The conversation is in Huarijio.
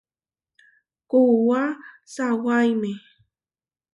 Kuúa sawáime.